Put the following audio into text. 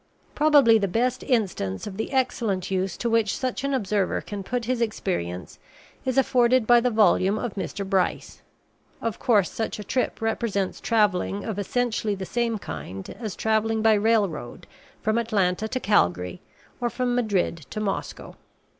Probably the best instance of the excellent use to which such an observer can put his experience is afforded by the volume of Mr. Bryce. Of course, such a trip represents travelling of essentially the same kind as travelling by railroad from Atlanta to Calgary or from Madrid to Moscow.